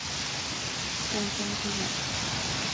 歸家的人